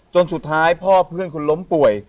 จนสุดท้ายพ่อเพื่อนคนล้มป่วย